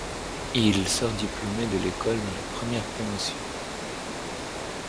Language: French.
Il sort diplômé de l'école dans les premières promotions.